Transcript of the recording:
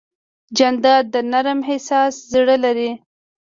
جانداد د نرم احساس زړه لري.